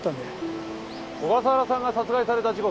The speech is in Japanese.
小笠原さんが殺害された時刻